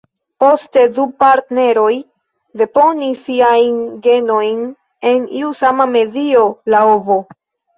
Poste, du partneroj deponis siajn genojn en iu sama medio, la ovo.